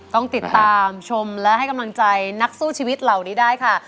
ต้องติดตามชมและให้กำลังใจนักสู้ชีวิตเหล่านี้ได้ค่ะ